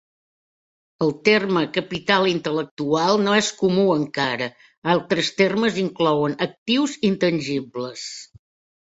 El terme "capital intel·lectual" no és comú encara; altres termes inclouen "actius intangibles".